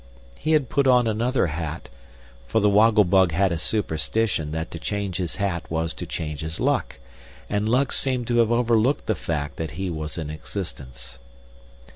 He had put on another hat, for the Woggle Bug had a superstition that to change his hat was to change his luck, and luck seemed to have overlooked the fact that he was in existence.